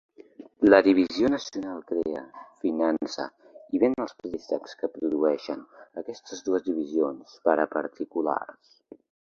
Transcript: La divisió nacional crea, finança i ven els préstecs que produeixen aquestes dues divisions per a particulars.